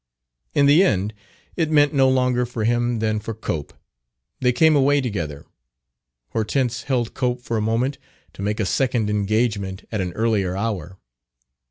In the end it meant no longer for him than for Cope; they came away together. Hortense held Cope for a moment to make a second engagement at an earlier hour.